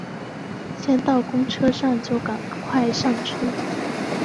先到公车站就赶快上车